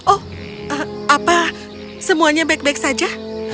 oh apa semuanya baik baik saja